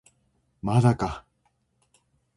まだか